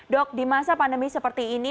dok di masa pandemi seperti ini